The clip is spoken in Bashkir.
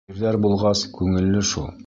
Ирҙәр булғас, күңелле шул.